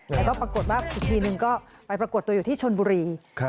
แล้วก็ปรากฏว่าอีกทีนึงก็ไปปรากฏตัวอยู่ที่ชนบุรี